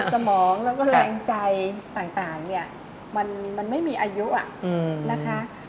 สมองแล้วก็แรงใจต่างเนี่ยมันไม่มีอายุนะคะ